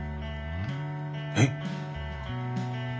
えっ！